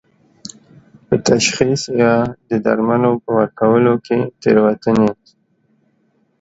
په تشخیص یا د درملو په ورکولو کې تېروتنې